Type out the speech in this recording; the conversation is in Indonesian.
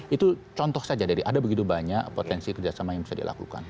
itu contoh saja dari ada begitu banyak potensi kerjasama yang bisa dilakukan